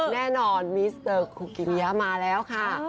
แน่นอนมิสเตอร์คูกิริยามาแล้วค่ะ